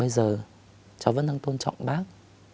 bây giờ cháu vẫn đang tôn trọng bác